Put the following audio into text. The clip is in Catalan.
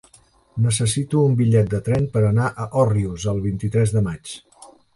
Necessito un bitllet de tren per anar a Òrrius el vint-i-tres de maig.